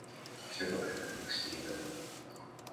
Все покрыто было снегом.